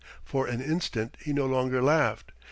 For an instant he no longer laughed.